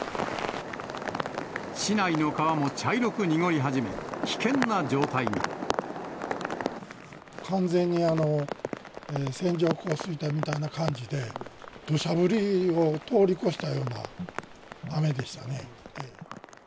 市内の川も茶色く濁り始め、完全に、線状降水帯みたいな感じで、どしゃ降りを通り越したような雨でしたね。